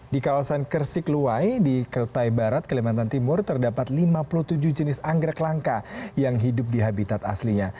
di kawasan kersikluwai di kertai barat kalimantan timur terdapat lima puluh tujuh jenis anggrek langka yang hidup di habitat aslinya